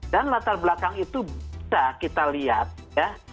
dan latar belakang itu bisa kita lihat ya